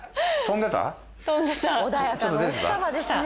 飛んでた。